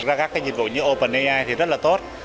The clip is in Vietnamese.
thật ra các dịch vụ như openai thì rất là tốt